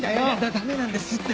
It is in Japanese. ダメなんですって。